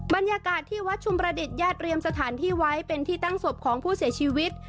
บรรยากาศที่วัดชุมประดิษฐ์ญาติเรียมสถานที่ไว้เป็นที่ตั้งศพของผู้เสียชีวิต